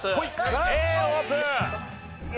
Ａオープン。